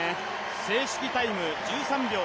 正式タイム、１３秒０３。